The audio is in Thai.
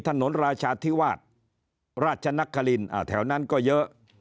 ถนนราชาธิวาสราชนครินแถวนั้นก็เยอะ